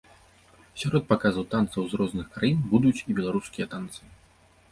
Сярод паказаў танцаў з розных краін будуць і беларускія танцы.